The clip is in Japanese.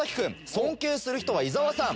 尊敬する人は伊沢さん。